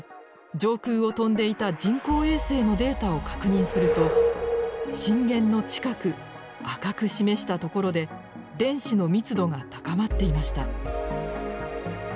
上空を飛んでいた人工衛星のデータを確認すると震源の近く赤く示した所で電子の密度が高まっていました。